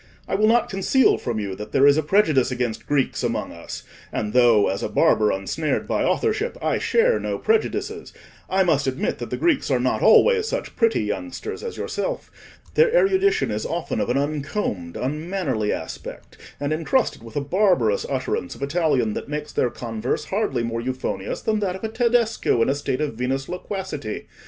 "I will not conceal from you that there is a prejudice against Greeks among us; and though, as a barber unsnared by authorship, I share no prejudices, I must admit that the Greeks are not always such pretty youngsters as yourself: their erudition is often of an uncombed, unmannerly aspect, and encrusted with a barbarous utterance of Italian, that makes their converse hardly more euphonious than that of a Tedesco in a state of vinous loquacity.